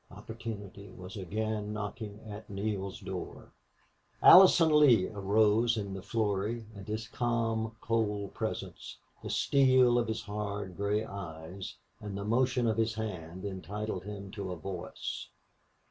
Opportunity was again knocking at Neale's door. Allison Lee arose in the flurry, and his calm, cold presence, the steel of his hard gray eyes, and the motion of his hand entitled him to a voice.